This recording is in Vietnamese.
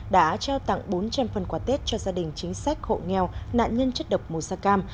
đã trao tặng bốn trăm linh phần quà tết cho gia đình chính sách hộ nghèo nạn nhân chất độc mùa sa cam